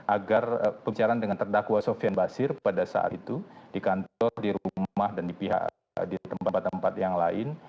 agar pembicaraan dengan terdakwa sofian basir pada saat itu di kantor di rumah dan di tempat tempat yang lain